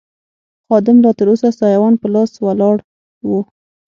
خادم لا تراوسه سایوان په لاس ولاړ و.